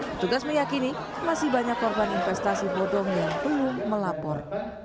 petugas meyakini masih banyak korban investasi bodong yang belum melapor